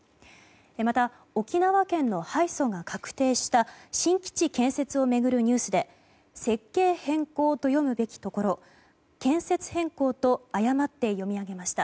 また、沖縄県の敗訴が確定した新基地建設を巡るニュースで設計変更と読むべきところ「けんせつへんこう」と誤って読み上げました。